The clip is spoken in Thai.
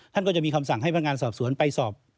ท่านก็จะมีคำสั่งให้พนักงานสอบสวนไปสอบ